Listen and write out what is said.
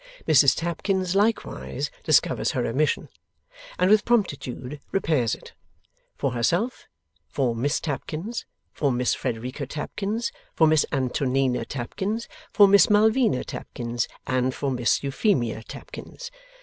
Mrs Tapkins likewise discovers her omission, and with promptitude repairs it; for herself; for Miss Tapkins, for Miss Frederica Tapkins, for Miss Antonina Tapkins, for Miss Malvina Tapkins, and for Miss Euphemia Tapkins.